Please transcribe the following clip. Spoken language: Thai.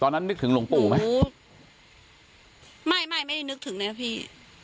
ตอนนั้นนึกถึงหลวงปู่ไหมหูไม่ไม่ไม่ได้นึกถึงนะครับพี่